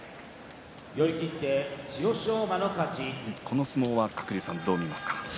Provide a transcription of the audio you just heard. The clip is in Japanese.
この相撲は鶴竜さんどう見ますか。